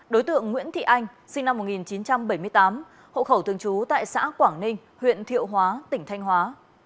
đối tượng nguyễn thị anh sinh năm một nghìn chín trăm bảy mươi tám hộ khẩu thường trú tại xã quảng ninh huyện thiệu hóa tỉnh thanh hóa